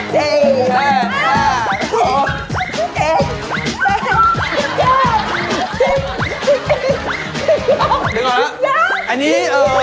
ตกกันแบบนี้